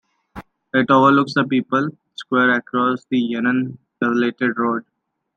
It overlooks the People's Square across the Yan'an Elevated Road.